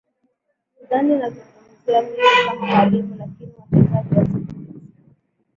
sidhani nazungumzia mimi kama mwalimu lakini wachezaji wa siku hizi